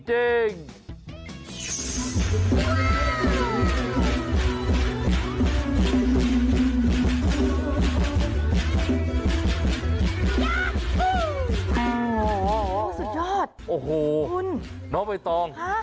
อ๋อสุดยอดคุณโอ้โหน้องไว้ตอง